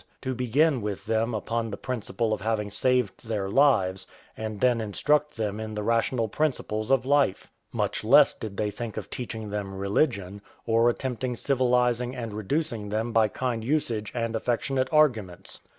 to begin with them upon the principle of having saved their lives, and then instruct them in the rational principles of life; much less did they think of teaching them religion, or attempt civilising and reducing them by kind usage and affectionate arguments.